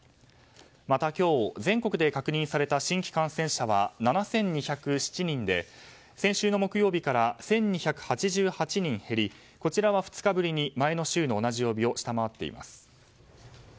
また今日全国で確認された新規感染者は７２０７人で先週の木曜日から１２８８人減りこちらは２日ぶりに前の週の同じ曜日を下回っています。